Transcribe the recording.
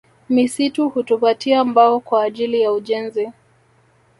Misitu hutupatia mbao kwaajili ya ujenzi